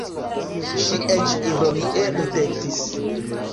Ŝi eĉ ironie ridetis.